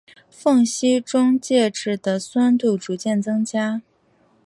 缝隙中介质的酸度逐渐增加。